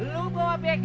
tunggu tunggu tunggu